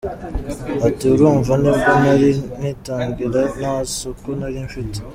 Ati “ Urumva nibwo nari ngitangira, nta soko nari mfite .